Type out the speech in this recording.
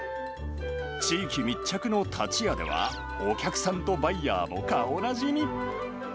地域密着のタチヤでは、お客さんとバイヤーも顔なじみ。